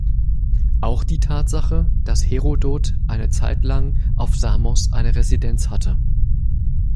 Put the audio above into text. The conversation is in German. Auch die Tatsache, dass Herodot eine Zeit lang auf Samos eine Residenz hatte.